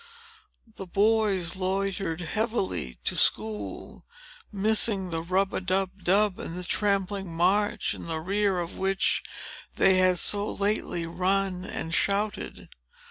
The boys loitered heavily to school, missing the rub a dub dub, and the trampling march, in the rear of which they had so lately run and shouted.